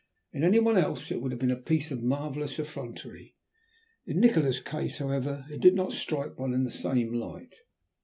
In any one else it would have been a piece of marvellous effrontery; in Nikola's case, however, it did not strike one in the same light.